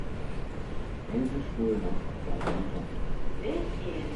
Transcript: Else Schulhoff war seine Tochter.